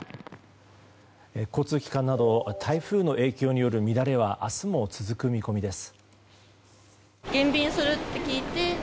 交通機関など台風の影響による乱れは明日も続く見込みです。